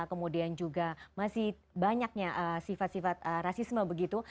kemudian juga masih banyaknya sifat sifat rasisme begitu